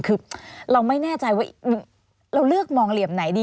คือเราไม่แน่ใจว่าเราเลือกมองเหลี่ยมไหนดี